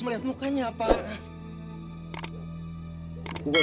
melihat mukanya pak